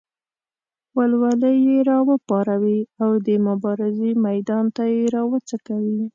ولولې یې راوپاروي او د مبارزې میدان ته یې راوڅکوي.